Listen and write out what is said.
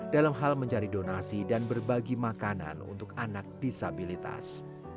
dalam hal mencari donasi dan berbagi makanan untuk anak disabilitas